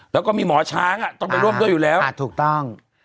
แล้วก็มีหมอช้างต้องไปร่วมด้วยอยู่แล้วถูกต้อง